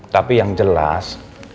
tapi yang jelas